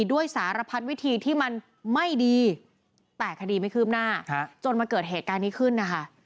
ด้วยสารพัดวิธีที่มันไม่ดีแต่คดีไม่คืบหน้าจนมาเกิดเหตุการณ์นี้ขึ้นนะคะ